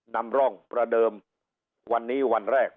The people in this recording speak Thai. นำร่องประเดิมวันนี้วันแรก